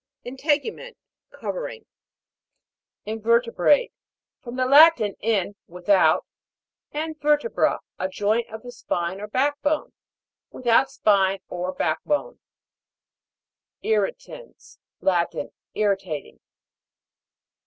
INTE'GUMENT. Covering. INVE'RTEBRATE. From the Latin, in, without, and vertebra, a joint of the spine or back bone. Without spine or back bone. IR'RITANS. Latin. Irritating.